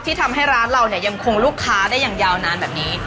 ทำให้ร้านเราเนี่ยยังคงลูกค้าได้อย่างยาวนานแบบนี้